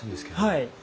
はい。